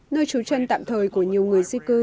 nơi trú chân tạm thời của nhiều người di cư